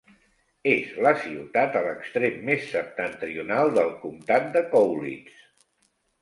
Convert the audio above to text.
És la ciutat a l'extrem més septentrional del comtat de Cowlitz.